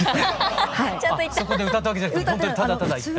そこで歌ったわけじゃなくてほんとにただただ行った。